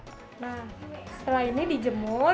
nah setelah ini dijemur